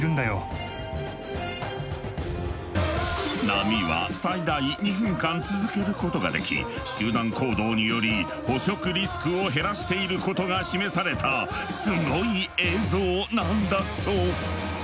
波は最大２分間続けることができ集団行動により捕食リスクを減らしていることが示されたスゴい映像なんだそう！